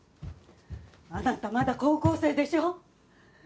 あなたまだ高校生でしょ？